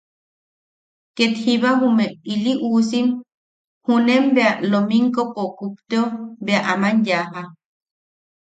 Ket jiba jume ili uusim junen bea lominkompo kupteo bea aman yaaja.